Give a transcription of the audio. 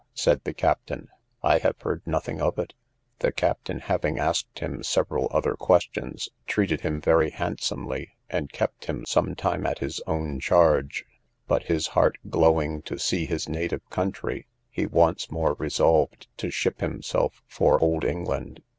said the captain, I have heard nothing of it. The captain having asked him several other questions, treated him very handsomely, and kept him some time at his own charge: but his heart glowing to see his native country, he once more resolved to ship himself for old England.